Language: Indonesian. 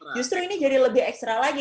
justru ini jadi lebih ekstra lagi